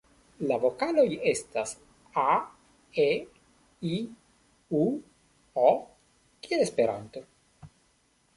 La vokaloj estas a,e,i,u,o kiel Esperanto.